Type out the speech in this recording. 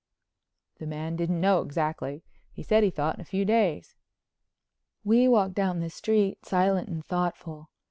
"The man didn't know exactly. He said he thought in a few days." We walked down the street silent and thoughtful.